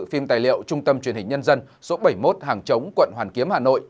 phim tài liệu trung tâm truyền hình nhân dân số bảy mươi một hàng chống quận hoàn kiếm hà nội